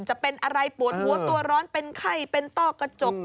จะเป็นอะไรปวดหัวตัวร้อนเป็นไข้เป็นต้อกระจก